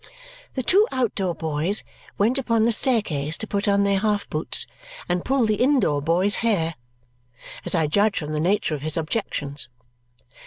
The two out door boys went upon the staircase to put on their half boots and pull the in door boy's hair, as I judged from the nature of his objections.